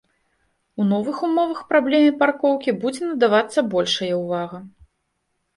У новых умовах праблеме паркоўкі будзе надавацца большая ўвага.